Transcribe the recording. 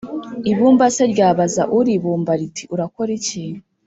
ibumba se ryabaza uribumba, riti «urakora iki ?»,